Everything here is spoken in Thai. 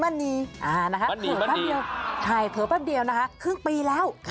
อะนะคะเผลอแป๊บเดียวครึ่งปีแล้ว